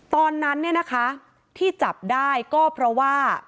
ตอนนั้นเนี่ยนะคะที่จับได้ก็เพราะว่า